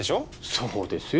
そうですよ